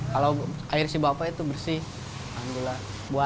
kalau air si bapak itu bersih alhamdulillah